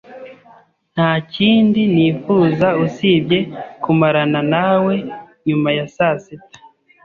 Ntakindi nifuza usibye kumarana nawe nyuma ya saa sita.